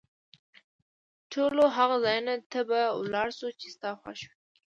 ټولو هغو ځایونو ته به ولاړ شو، چي ستا خوښ وي.